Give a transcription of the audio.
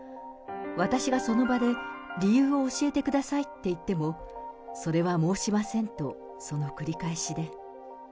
私がその場で理由を教えてくださいって言っても、それは申しませんと、その繰り返しで。